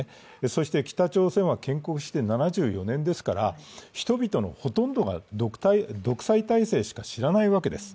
そして北朝鮮は建国して７４年ですから、人々のほとんどが独裁体制しか知らないわけです。